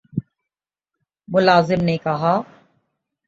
ملازم نے کہا